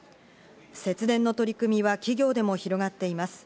節電の取り組みは企業でも広がっています。